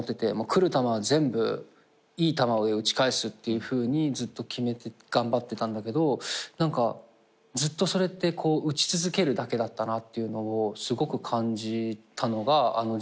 来る球は全部いい球で打ち返すって決めて頑張ってたんだけど何かずっとそれって打ち続けるだけだったなっていうのをすごく感じたのがあの時期で。